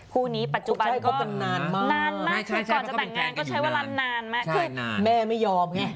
คู่นี้ปัจจุบันคบกันนานมากนานมากก่อนจะแต่งงานก็ใช้เวลานานมากคือแม่ไม่ยอมไง